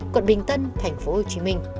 quận bình tân tp hcm